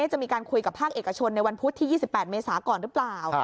จะมีการคุยกับภาคเอกชนในวันพุธที่๒๘เมษาก่อนหรือเปล่า